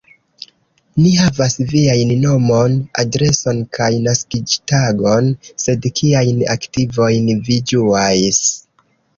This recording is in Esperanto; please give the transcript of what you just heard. Ni havas viajn nomon, adreson kaj naskiĝtagon, sed kiajn aktivojn vi ĝuas?